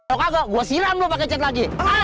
kalau kagok gua siram lo pake cat lagi